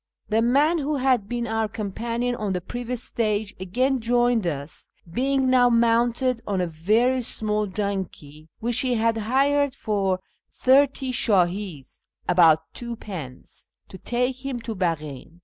The man who had been our companion on the previous stage again joined us, being now mounted on a very small donkey which he had hired for thirty shdMs (about twopence) to take him to Baghin.